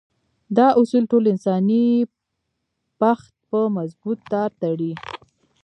دا اصول ټول انساني پښت په مضبوط تار تړي.